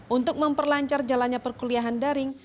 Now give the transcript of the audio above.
untuk memperlancar jalannya perkuliahan daring